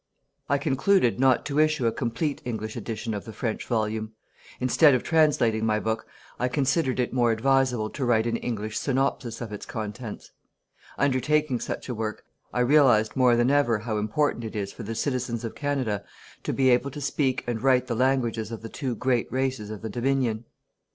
I concluded not to issue a complete English Edition of the French volume. Instead of translating my book, I considered it more advisable to write an English synopsis of its contents. Undertaking such a work, I realized more than ever how important it is for the Citizens of Canada to be able to speak and write the languages of the two great races of the Dominion.